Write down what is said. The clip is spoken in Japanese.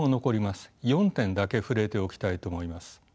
４点だけ触れておきたいと思います。